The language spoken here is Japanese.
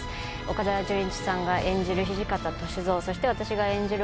岡田准一さんが演じる土方歳三そして私が演じる